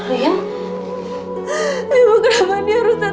akhirnya aku pernah melihat kebudaanmu